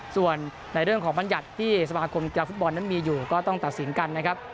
ส่วนในเรื่องของบัญญัติที่สมาคมกีฬาฟุตบอลนั้นมีอยู่ก็ต้องตัดสินกันนะครับ